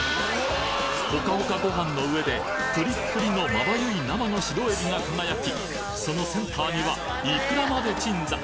ホカホカご飯の上でプリップリの眩い生の白えびが輝きそのセンターにはいくらまで鎮座！